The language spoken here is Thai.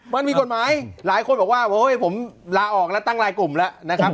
มันมีกฎหมายหลายคนบอกว่าโอ้ยผมลาออกแล้วตั้งรายกลุ่มแล้วนะครับ